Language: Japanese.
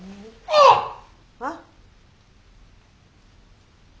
あっ！